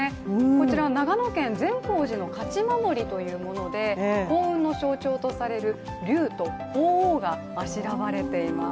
こちら、長野県善光寺の勝守というもので、幸運の象徴とされる龍と鳳凰があしらわれています。